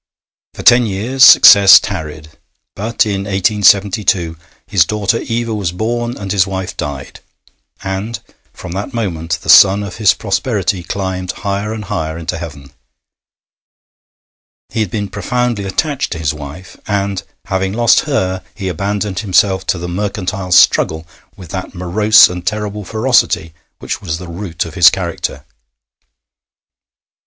For ten years success tarried, but in 1872 his daughter Eva was born and his wife died, and from that moment the sun of his prosperity climbed higher and higher into heaven. He had been profoundly attached to his wife, and, having lost her he abandoned himself to the mercantile struggle with that morose and terrible ferocity which was the root of his character.